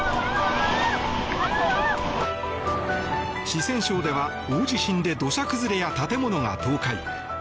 四川省では大地震で土砂崩れや建物が倒壊。